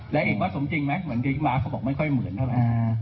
แล้วเห็นว่าสมจริงไหมเหมือนเยอะม้าเขาบอกไม่ค่อยเหมือนเท่าไหร่